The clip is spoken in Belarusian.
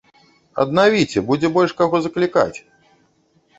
Аднавіце, будзе больш каго заклікаць!